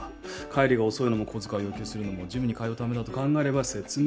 帰りが遅いのも小遣いを要求するのもジムに通うためだと考えれば説明がつく。